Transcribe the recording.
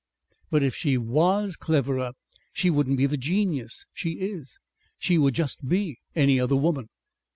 "But if she was cleverer, she wouldn't be the genius she is. She would just be any other woman."